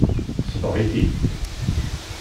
Tesbeɣ-it-id.